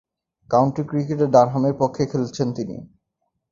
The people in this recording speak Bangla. কাউন্টি ক্রিকেটে ডারহামের পক্ষে খেলছেন তিনি।